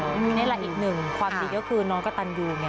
นี่แหละอีกหนึ่งความดีก็คือน้องกระตันยูไง